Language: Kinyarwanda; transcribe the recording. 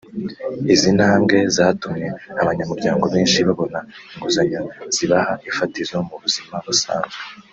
Izi ntambwe zatumye abanyamuryango benshi babona inguzanyo zibaha ifatizo mu buzima busanzwe